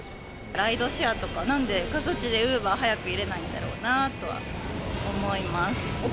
ライドシェアとか、なんで過疎地でウーバー早く入れないんやろうなと思います。